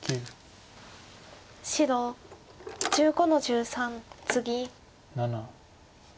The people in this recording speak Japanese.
白１５の十三ツギ。